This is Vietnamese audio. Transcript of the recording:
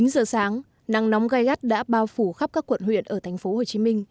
chín giờ sáng nắng nóng gai gắt đã bao phủ khắp các quận huyện ở tp hcm